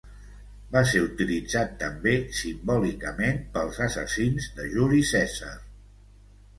Va ser utilitzat també simbòlicament pels assassins de Juli Cèsar.